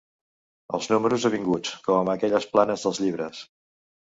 Els números avinguts, com a aquelles planes dels llibres.